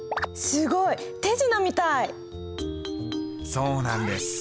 そうなんです。